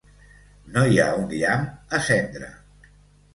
No hi ha un llamp a cendre!